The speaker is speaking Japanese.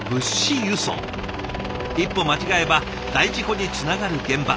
一歩間違えば大事故につながる現場。